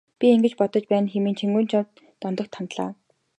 Би ингэж бодож байна хэмээн Чингүнжав Дондогт хандлаа.